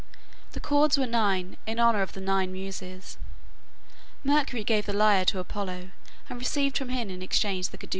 The cords were nine, in honor of the nine Muses. Mercury gave the lyre to Apollo, and received from him in exchange the caduceus.